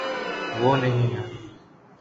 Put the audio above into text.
وہ نہیں ہے۔